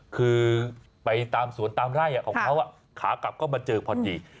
คือไปตามสวนตามไร่ของเขาขากลับก็มาเจอพอดี